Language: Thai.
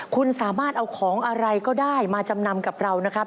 คุณสามารถเอาของอะไรก็ได้มาจำนำกับเรานะครับ